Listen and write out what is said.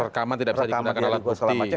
rekaman tidak bisa digunakan alat bukti